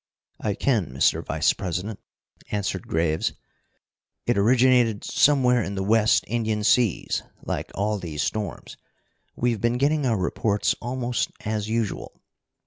"I can, Mr. Vice president," answered Graves. "It originated somewhere in the West Indian seas, like all these storms. We've been getting our reports almost as usual.